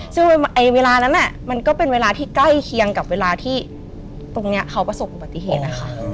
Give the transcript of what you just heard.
ซึ่งเวลานั้นมันก็เป็นเวลาที่ใกล้เคียงกับเวลาที่ตรงนี้เขาประสบอุบัติเหตุนะคะ